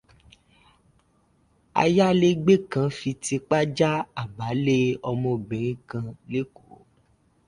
Ayálégbé kan fi tipá já àbálé ọmọbìnrin kan ni Èkó.